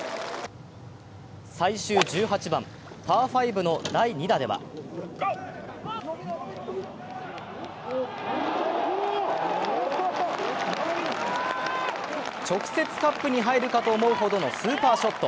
最終１８番、パー５の第２打では直接カップに入るかと思うほどのスーパーショット。